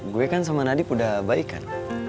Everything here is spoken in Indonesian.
gue kan sama nadib udah baik kan